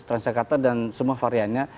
transjakarta dan semua variannya